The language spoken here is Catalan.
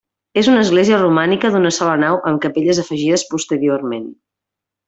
És una església romànica d'una sola nau amb capelles afegides posteriorment.